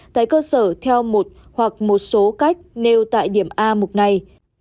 tại cơ sở theo một hoặc một số cách nêu tại điểm a mục này